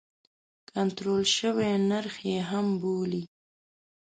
کنټرول شوی نرخ یې هم بولي.